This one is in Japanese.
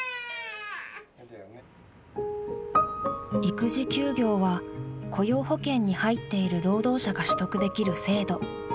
育児休業は雇用保険に入っている労働者が取得できる制度。